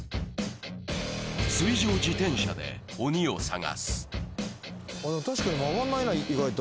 水上自転車で鬼を探す。